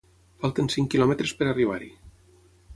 Falten cinc quilòmetres per a arribar-hi.